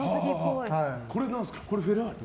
これフェラーリ？